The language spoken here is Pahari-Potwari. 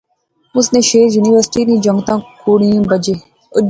اس نے شعر یونیورسٹی نے جنگتیں کڑئیں بجے